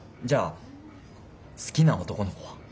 じゃあ好きな男の子は？